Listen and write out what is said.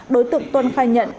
đối tượng tuân khai nhận